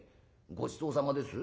『ごちそうさまです』？